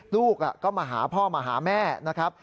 ลูกก็มาหาพ่อมาหาแม่นะครับ